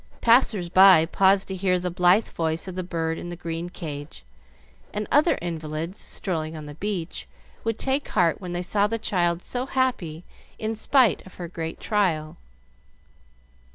Passers by paused to hear the blithe voice of the bird in the green cage, and other invalids, strolling on the beach, would take heart when they saw the child so happy in spite of her great trial.